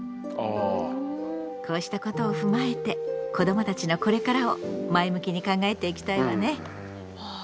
こうしたことを踏まえて子どもたちのこれからを前向きに考えていきたいわね。